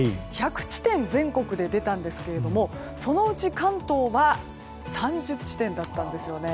１００地点ほど出たんですがそのうち関東は３０地点だったんですね。